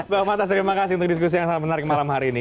bang matas terima kasih untuk diskusi yang sangat menarik malam hari ini